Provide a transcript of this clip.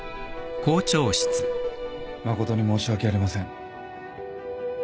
誠に申し訳ありません。